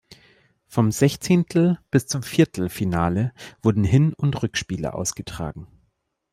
Vom Sechzehntel- bis zum Viertelfinale wurden Hin- und Rückspiele ausgetragen.